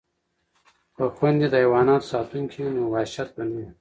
که خویندې د حیواناتو ساتونکې وي نو وحشت به نه وي.